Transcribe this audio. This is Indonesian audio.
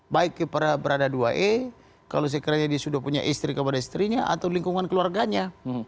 baik kepada berada dua e kalau sekiranya dia sudah punya istri kepada istrinya atau lingkungan keluarganya